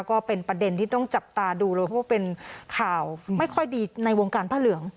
ก็เป็นประเด็นที่ต้องจับตาดูเลยเพราะว่าเป็นข่าวไม่ค่อยดีในวงการผ้าเหลือง